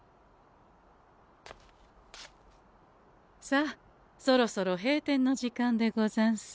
さあそろそろ閉店の時間でござんす。